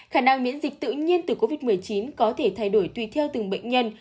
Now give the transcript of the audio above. khả năng miễn dịch tự nhiên từ covid một mươi chín có thể thay đổi tùy theo từng bệnh nhân